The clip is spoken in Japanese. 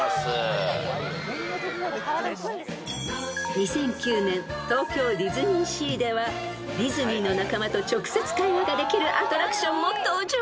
［２００９年東京ディズニーシーではディズニーの仲間と直接会話ができるアトラクションも登場］